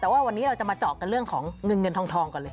แต่ว่าวันนี้เราจะมาเจาะกันเรื่องของเงินเงินทองก่อนเลย